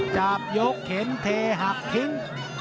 จับยกเข็มเทหักทิ้ง